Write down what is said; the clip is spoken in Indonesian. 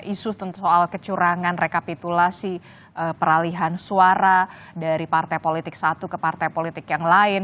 isu soal kecurangan rekapitulasi peralihan suara dari partai politik satu ke partai politik yang lain